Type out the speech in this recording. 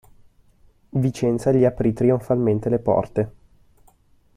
Vicenza gli aprì trionfalmente le porte.